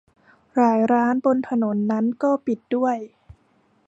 หลายร้านบนถนนนั้นก็ปิดด้วย